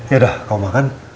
yaudah kamu makan